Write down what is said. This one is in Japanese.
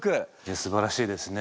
すばらしいですね。